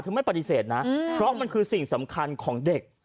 ไม่ปฏิเสธนะเพราะมันคือสิ่งสำคัญของเด็ก